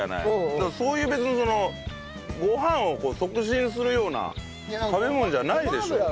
そういう別にそのご飯を促進するような食べ物じゃないでしょ。